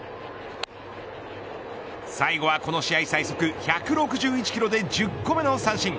最後はこの試合最速１６１キロで１０個目の三振。